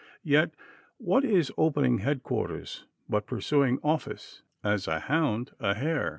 Yet what is opening headquarters but pursuing office, as a hound a hare?"